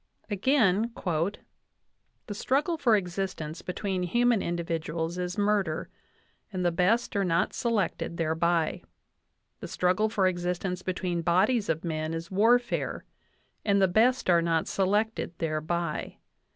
Again: "The struggle for existence between human individuals is murder, and the best are not selected thereby. The struggle for existence between bodies of men is warfare, and the best are not selected thereby.